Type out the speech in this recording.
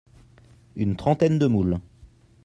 Une trentaine de moules.